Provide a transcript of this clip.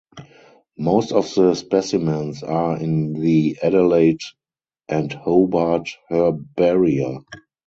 Most of the specimens are in the Adelaide and Hobart herbaria.